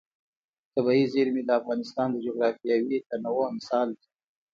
طبیعي زیرمې د افغانستان د جغرافیوي تنوع مثال دی.